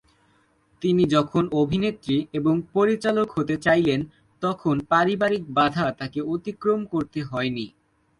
তিনি যখন অভিনেত্রী এবং পরিচালক হতে চাইলেন তখন পারিবারিক বাধা তাকে অতিক্রম করতে হয়নি।